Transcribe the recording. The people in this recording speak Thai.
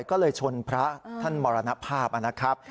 ก็เลยชนพระท่านมรณภาพนะครับ